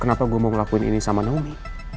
kenapa gue mau ngelakuin ini sama nomi